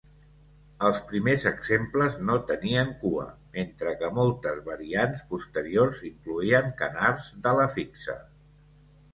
Els primers exemples no tenien cua, mentre que moltes variants posteriors incloïen canards d"ala fixa.